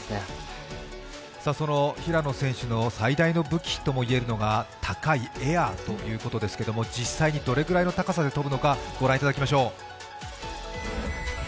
精神で平野歩夢選手の最大の武器の高いエアということですけど実際にどのくらいの高さで飛ぶのかを御覧いただきましょう。